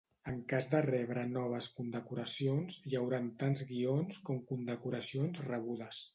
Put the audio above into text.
En cas de rebre noves condecoracions, hi hauran tants guions com condecoracions rebudes.